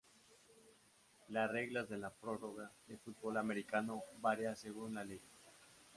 Las reglas de la prórroga del fútbol americano varían según la liga.